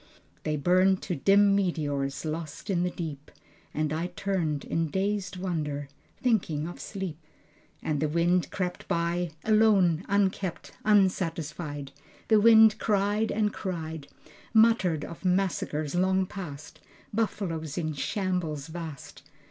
They burned to dim meteors, lost in the deep. And I turned in dazed wonder, thinking of sleep. And the wind crept by Alone, unkempt, unsatisfied, The wind cried and cried Muttered of massacres long past, Buffaloes in shambles vast